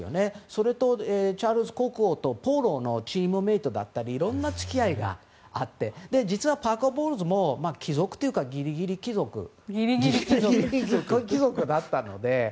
それと、チャールズ国王とポロのチームメートだったりいろんな関係があってパーカー・ボウルズも貴族というかギリギリ貴族だったので。